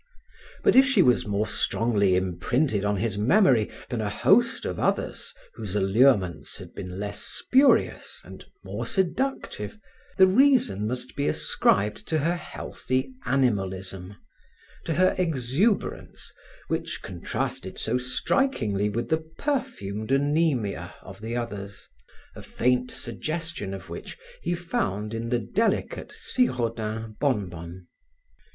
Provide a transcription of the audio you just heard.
But if she was more strongly imprinted on his memory than a host of others whose allurements had been less spurious and more seductive, the reason must be ascribed to her healthy animalism, to her exuberance which contrasted so strikingly with the perfumed anaemia of the others, a faint suggestion of which he found in the delicate Siraudin bonbon.